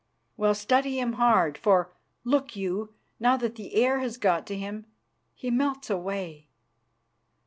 Well, study him hard, for, look you, now that the air has got to him, he melts away."